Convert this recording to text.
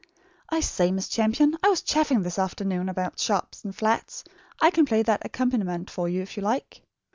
I say, Miss Champion, I was chaffing this afternoon about sharps and flats. I can play that accompaniment for you if you like.